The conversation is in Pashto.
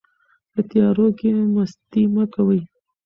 په تیارو کې مستي مه کوئ.